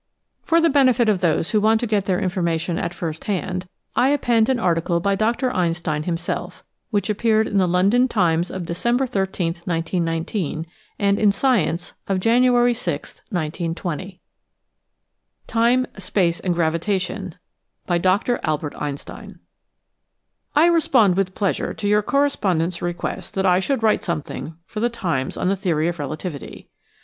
For the benefit of those who want to get their in formation at first hand I append an article by Dr. Einstein himself which appeared in the London Times of December 13, 19 19, and in Science of January 6, 1920: Time, Space, and Gravitation By Dr. Albert Einstein I respond with pleasure to your Correspondent's re quest that I should write something for the Times on the Theory of Relativity.